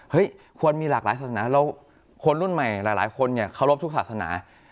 ควรมีหลากหลายศาสนาแล้วคนรุ่นใหม่หลายคนเนี่ยเคารพทุกศาสนา